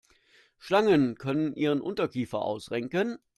Schlangen können ihren Unterkiefer ausrenken.